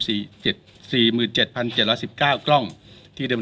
เจ็ดสี่หมื่นเจ็ดพันเจ็ดร้อยสิบเก้ากล้องที่ได้มา